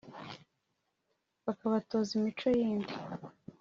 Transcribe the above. bakabatoza imico yindi